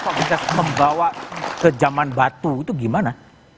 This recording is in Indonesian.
maka bila membawa ke jaman batu itu gimana